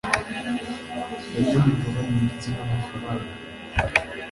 banyamigabane ndetse n amafaranga